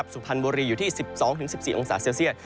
สุพรรณบุรีอยู่ที่๑๒๑๔องศาเซลเซียต